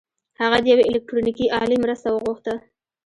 هغه د یوې الکټرونیکي الې مرسته وغوښته